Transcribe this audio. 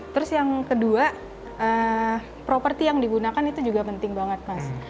terus yang kedua properti yang digunakan itu juga penting banget mas